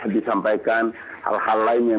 disampaikan hal hal lain yang